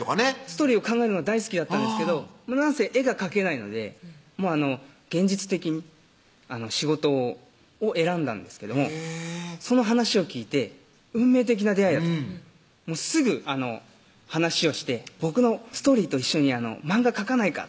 ストーリーを考えるのは大好きだったんですけどなんせ絵が描けないので現実的に仕事を選んだんですけどもその話を聞いて運命的な出会いだとすぐ話をして「僕のストーリーと一緒に漫画描かないか？」